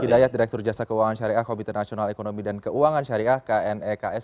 hidayat direktur jasa keuangan syariah komite nasional ekonomi dan keuangan syariah kneks